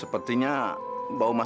kan hati hati american